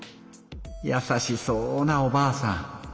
やさしそうなおばあさん。